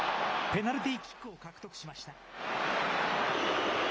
ペナルティーキックを獲得しました。